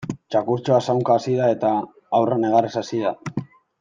Txakurtxoa zaunka hasi da eta haurra negarrez hasi da.